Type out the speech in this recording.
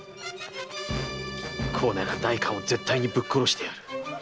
こうなりゃ代官を絶対にぶっ殺してやる。